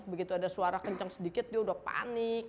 begitu ada suara kencang sedikit dia udah panik